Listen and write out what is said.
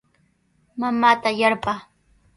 Mamaata yarpaa.